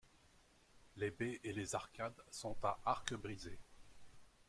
Les baies et les arcades sont à arc brisé.